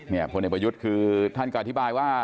พลเอกประยุทธ์คือท่านก็อธิบายว่า